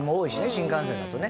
新幹線だとね。